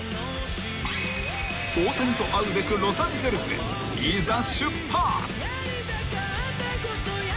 ［大谷と会うべくロサンゼルスへいざ出発］